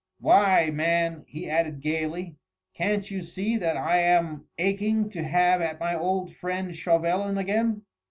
"Why man," he added gaily, "can't you see that I am aching to have at my old friend Chauvelin again?"